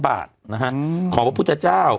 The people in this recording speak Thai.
สวัสดีครับคุณผู้ชม